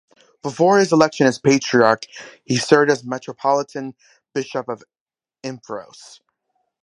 Before his election as Patriarch he served as Metropolitan Bishop of Imvros.